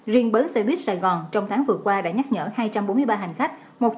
riêng bến xe buýt sài gòn trong tháng vừa qua đã nhắc nhở hai trăm bốn mươi ba hành khách